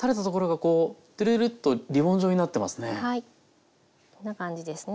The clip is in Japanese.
こんな感じですね。